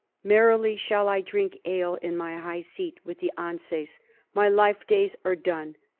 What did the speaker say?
Merrily shall I drink ale in my high seat with the Anses. My life days are done.